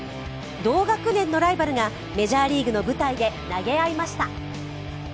同学年のライバルがメジャーリーグの舞台で投げ合いました。